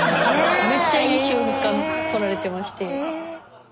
めっちゃいい瞬間撮られてまして。